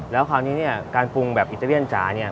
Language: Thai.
แล้วคราวนี้เนี่ยการปรุงแบบอิตาเลียนจ๋าเนี่ย